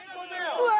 うわ！